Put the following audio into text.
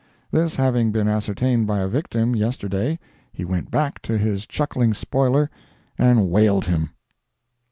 This having been ascertained by a victim, yesterday, he went back to his chuckling spoiler and whaled him.